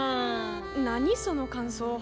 何その感想。